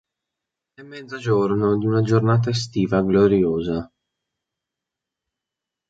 È mezzogiorno di una giornata estiva gloriosa.